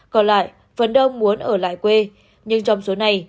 còn lại phấn đông muốn ở lại quê nhưng trong số này